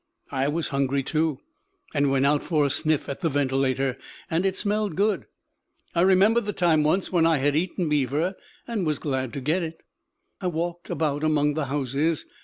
I was hungry too, and went out for a sniff at the ventilator; and it smelled good. I remembered the time once when I had eaten beaver, and was glad to get it. I walked about among the houses.